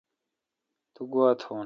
تو گوا تون؟